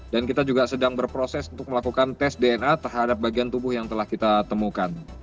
dan kita juga sedang berproses untuk melakukan tes dna terhadap bagian tubuh yang telah kita temukan